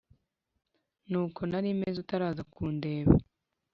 nuko nari meze utaraza kundeba